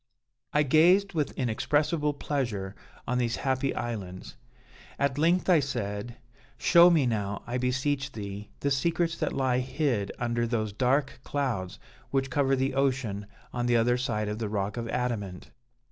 "I gazed with inexpressible pleasure on these happy islands. At length, I said: 'Show me now, I beseech thee, the secrets that lie hid under those dark clouds which cover the ocean on the other side of the rock of adamant.'